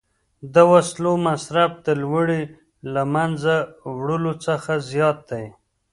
د وسلو مصرف د لوږې له منځه وړلو څخه زیات دی